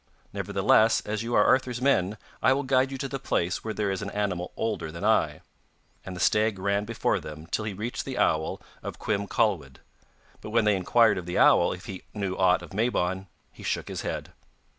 Nevertheless, as you are Arthur's men, I will guide you to the place where there is an animal older than I'; and the stag ran before them till he reached the owl of Cwm Cawlwyd. But when they inquired of the owl if he knew aught of Mabon he shook his head.